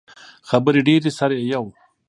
خبرې ډیرې، سر یی یو